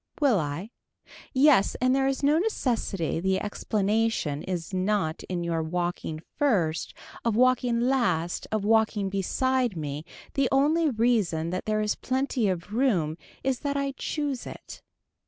Will I. Yes and there is no necessity the explanation is not in your walking first of walking last of walking beside me the only reason that there is plenty of room is that I choose it.